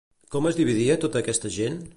Com es dividia tota aquesta gent?